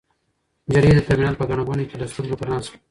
نجلۍ د ترمینل په ګڼه ګوڼه کې له سترګو پناه شوه.